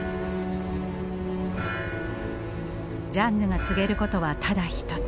ジャンヌが告げることはただ一つ。